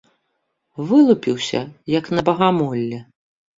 Вылупіўся, як на багамолле!